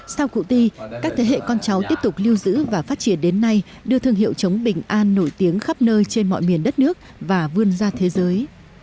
sau cụ ti các thế hệ con cháu tiếp tục lưu giữ và phát triển đến nay đưa thương hiệu trống bình an nổi tiếng khắp nơi trên mọi miền đất nước và vươn ra thế giới